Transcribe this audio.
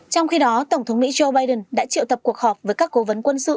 trong khi đó tổng thống mỹ joe biden đã triệu tập cuộc họp với các cố vấn quân sự